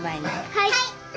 はい！